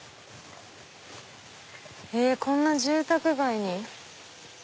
こんな住宅街に。